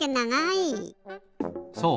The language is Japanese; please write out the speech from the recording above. そう。